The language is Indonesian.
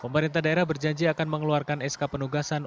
pemerintah daerah berjanji akan mengeluarkan sk penugasan